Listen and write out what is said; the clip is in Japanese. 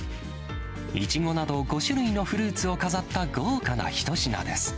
イチゴなど５種類のフルーツを飾った豪華な一品です。